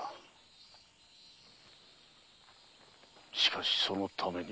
しかしそのために。